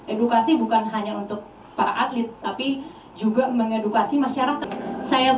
edukasi bukan hanya untuk para atlet tapi juga mengedukasi masyarakat